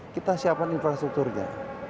kita siapkan infrastrukturnya